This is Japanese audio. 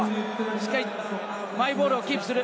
しっかりマイボールをキープする。